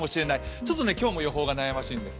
ちょっと今日も予報が悩ましいんです。